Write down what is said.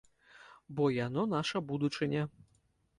Бо яно наша будучыня!